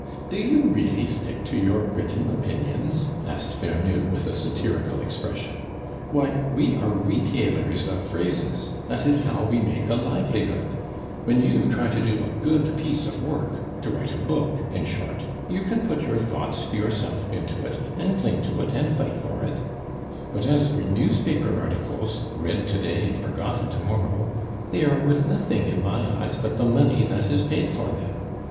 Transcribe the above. "Do you really stick to your written opinions?" asked Vernou, with a satirical expression. "Why, we are retailers of phrases; that is how we make a livelihood. When you try to do a good piece of work to write a book, in short you can put your thoughts, yourself into it, and cling to it, and fight for it; but as for newspaper articles, read to day and forgotten to morrow, they are worth nothing in my eyes but the money that is paid for them.